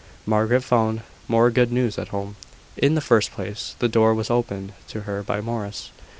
Margaret found more good news at home. In the first place, the door was opened to her by Morris.